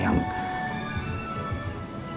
yang bisa merangkai kata